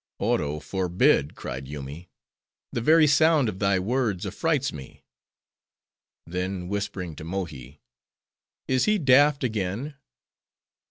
"Oro forbid!" cried Yoomy; "the very sound of thy words affrights me." Then, whispering to Mohi—"Is he daft again?"